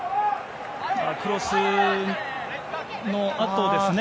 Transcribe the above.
クロスのあとですね。